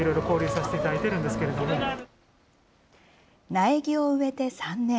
苗木を植えて３年。